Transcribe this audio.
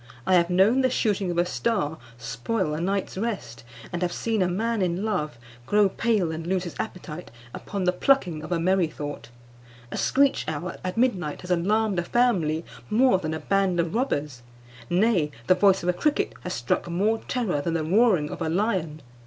I have known the shooting of a star spoil a night's rest, and have seen a man in love grow pale and lose his appetite upon the plucking of a merrythought. A screech owl at midnight has alarmed a family more than a band of robbers; nay, the voice of a cricket has struck more terror than the roaring of a lion.